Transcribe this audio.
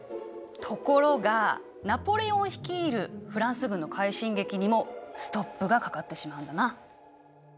ところがナポレオン率いるフランス軍の快進撃にもストップがかかってしまうんだな。